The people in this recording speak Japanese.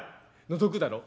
のぞくだろ？